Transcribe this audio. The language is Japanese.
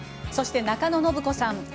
そして、中野信子さん